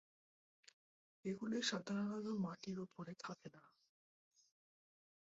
এগুলি সাধারণত মাটির উপরে থাকে না।